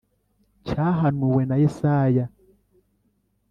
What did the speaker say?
cyahanuwe na yesaya